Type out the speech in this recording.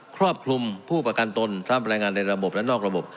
ครอบคลุมผู้ประกันตนทรัพแรงงานในระบบและนอกระบบ